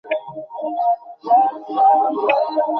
তিনি জানিতেন যে তাঁহার দ্বারা ইহার প্রতিকার হইতেই পারিবে না।